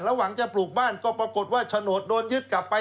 ระหว่างจะปลูกบ้านก็ปรากฏว่าโฉนดโดนยึดกลับไป